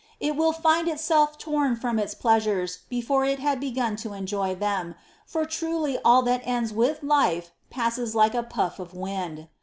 It will find itself torn from its pleasures before it had begun to enjoy them, for truly all that ends with life passes like a puff of wind.